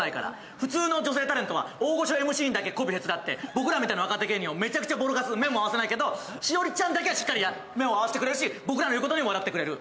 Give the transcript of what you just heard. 普通の女性タレントは、大御所ＭＣだけにへつらって、僕らみたいな若手芸人をめちゃくちゃ転がす、目も合わせないけど栞里ちゃんだけはしっかり目を合わせてくれるし、僕らのこと笑ってくれる。